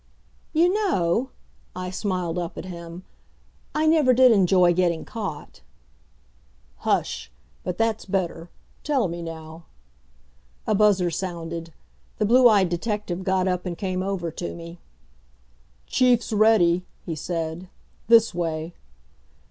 "You know," I smiled up at him, "I never did enjoy getting caught." "Hush! But that's better.... Tell me now " A buzzer sounded. The blue eyed detective got up and came over to me. "Chief's ready," he said. "This way."